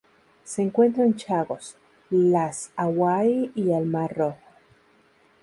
Se encuentra en Chagos, las Hawaii y al Mar Rojo.